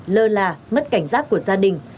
lơ là mất cảnh giác của gia đình